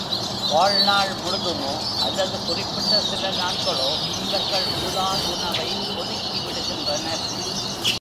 வாழ்நாள் முழுதுமோ அல்லது குறிப்பிட்ட சில நாட்களோ இவர்கள் புலால் உணவை ஒதுக்கி விடுகின்றனர்.